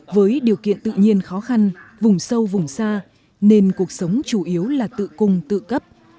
với điều kiện tự nhiên khó khăn vùng sâu vùng xa nên cuộc sống chủ yếu là tự cung tự cấp